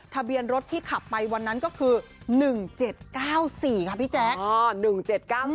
ทะเบียนรถที่ขับไปวันนั้นก็คือ๑๗๙๔ค่ะพี่แจ๊ค